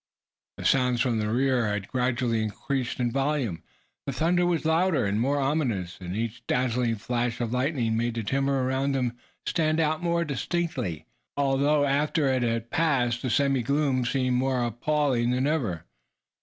The sounds from the rear had gradually increased in volume. The thunder was louder, and more ominous, as each dazzling flash of lightning made the timber around them stand out most distinctly; although after it had passed, the semi gloom seemed more appalling than ever.